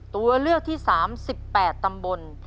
ตัวเลือกที่๓๑๘ตำบล